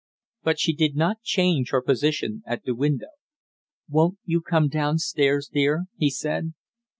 But she did not change her position at the window. "Won't you come down stairs, dear?" he said.